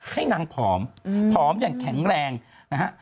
ให้นางผอมผอมอย่างแข็งแรงนะฮะ